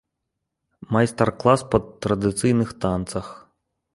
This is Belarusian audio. Майстар-клас па традыцыйных танцах.